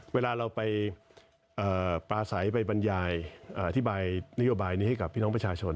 เวลาเราไปปลาใสไปบรรยายอธิบายนโยบายนี้ให้กับพี่น้องประชาชน